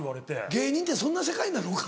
芸人ってそんな世界なのか？